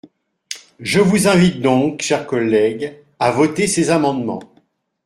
Je vous invite donc, chers collègues, à voter ces amendements.